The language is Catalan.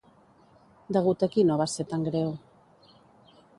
Degut a qui no va ser tan greu?